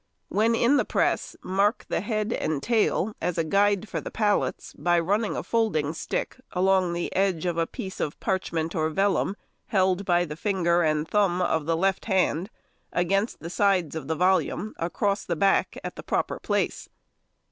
When in the press, mark the head and tail as a guide for the pallets by running a folding stick along the edge of a piece of parchment or vellum held by the finger and thumb of the left hand against the sides of the volume across the back at the proper place.